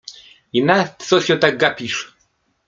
I na co się tak gapisz?